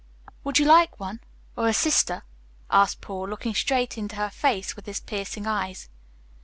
"Would you like one, or a sister?" asked Paul, looking straight into her face with his piercing eyes.